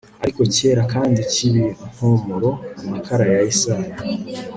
Ariko cyera kandi kibi mpumura amakara ya Yesaya